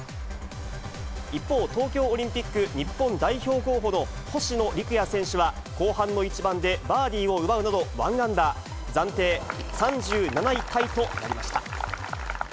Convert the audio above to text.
一方、東京オリンピック日本代表候補の星野陸也選手は、後半の１番でバーディーを奪うなど、１アンダー、暫定３７位タイとなりました。